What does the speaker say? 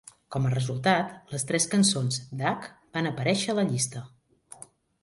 Com a resultat, les tres cançons d""H" van aparèixer a la llista.